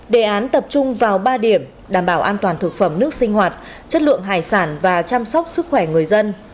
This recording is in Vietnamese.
đề án tập trung vào ba điểm đảm bảo an toàn thực phẩm nước sinh hoạt chất lượng hải sản và chăm sóc sức khỏe người dân